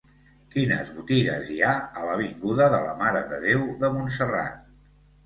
Quines botigues hi ha a l'avinguda de la Mare de Déu de Montserrat?